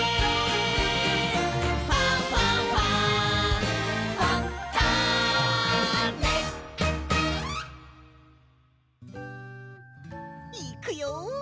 「ファンファンファン」いくよ